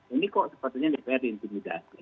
ini kok sepatutnya dpr di intimidasi